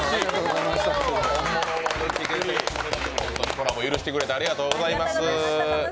コラボ許してくれてありがとうございます！